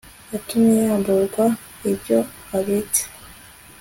yatumbe yamburwa ibyo abitse